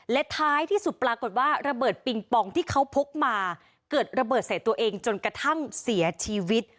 และท้ายที่สุดปรากฏว่าระเบิดปิงปองที่เขาพกมาเกิดระเบิดใส่ตัวเองจนกระทั่งเสียชีวิต